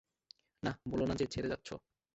না, বলো না যে, ছেড়ে যাচ্ছ।